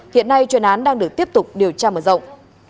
hiện nay chuyên án đang được tiếp tục điều tra mở rộng